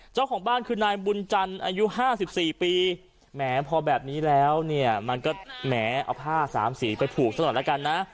เจ้าของบ้านคือนายบุญจันทร์อายุ๕๔ปีแหมพอแบบนี้แล้วเนี่ยมันก็แหมเอาผ้าสามสีไปผูกซะหน่อยละกันนะ